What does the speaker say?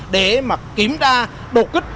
để kiểm tra đồ kích